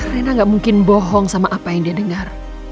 rina gak mungkin bohong sama apa yang dia dengar